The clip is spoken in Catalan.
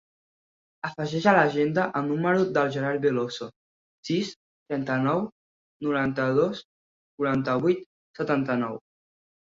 Afegeix a l'agenda el número del Gerard Veloso: sis, trenta-nou, noranta-dos, quaranta-vuit, setanta-nou.